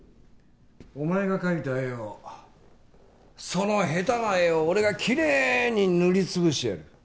お前が描いた絵をその下手な絵を俺がきれいに塗り潰してやる。